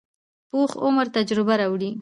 پوخ عمر تجربه راوړي